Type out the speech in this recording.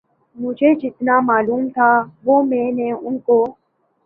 مجھے جتنا معلوم تھا وہ میں نے ان کو